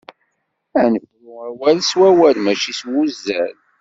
Ad nefru awal s wawal mačči s wuzzal.